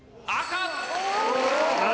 赤！